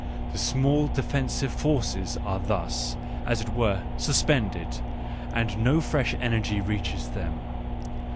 The small defensive forces are thus, as it were, suspended, and no fresh energy reaches them.